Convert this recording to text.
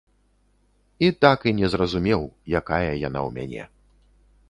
І так і не зразумеў, якая яна ў мяне.